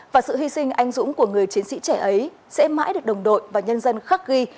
và sự hy sinh anh dũng của người chiến sĩ trẻ ấy sẽ mãi được đồng đội và nhân dân khắc ghi